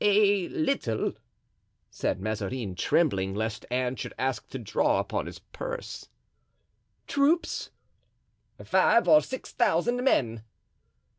"A little," said Mazarin, trembling, lest Anne should ask to draw upon his purse. "Troops?" "Five or six thousand men."